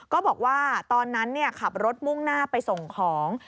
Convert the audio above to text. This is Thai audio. ก็บอกว่าตอนนั้นขับรถมุ่งหน้าไปส่งของ